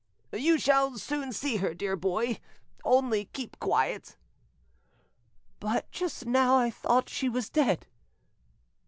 You shall soon see her, dear boy; only keep quiet." "But just now I thought she was dead."